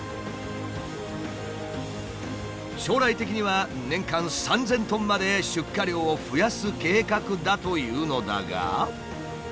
将来的には年間３，０００ｔまで出荷量を増やす計画だというのだが。